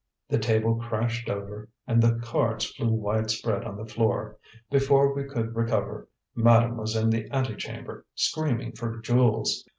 The table crashed over, and the cards flew wide spread on the floor. Before we could recover, madame was in the antechamber, screaming for Jules.